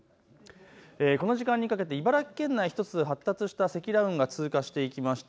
この時間にかけて茨城県内１つ発達した積乱雲が通過していきました。